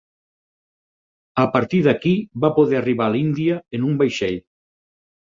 A partir d'aquí va poder arribar a l'Índia en un vaixell.